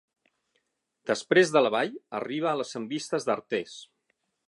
Després de la Vall arriba a les envistes d'Artés.